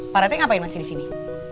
pak rete ngapain masih di sini